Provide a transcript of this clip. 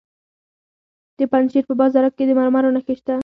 د پنجشیر په بازارک کې د مرمرو نښې شته.